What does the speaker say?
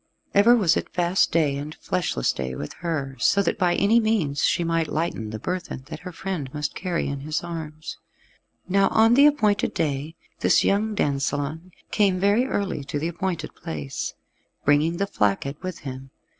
Ever was it fast day and fleshless day with her, so that by any means she might lighten the burthen that her friend must carry in his arms. Now on the appointed day this young dansellon came very early to the appointed place, bringing the flacket with him.